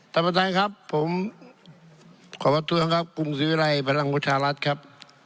ท่านประธานครับผมขอประท้วงครับกรุงศรีวิรัยพลังประชารัฐครับ